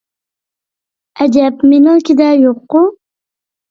ئەجەب مېنىڭكىدە يوققۇ؟